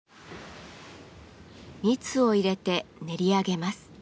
蜜を入れて練り上げます。